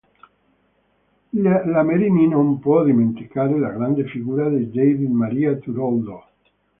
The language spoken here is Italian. La Merini non può dimenticare la grande figura di David Maria Turoldo.